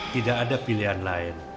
tidak ada pilihan lain